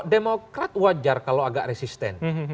demokrat wajar kalau agak resisten